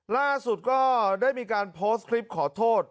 ล่าสุดก็ได้มีการโพสต์คลิปขอโทษ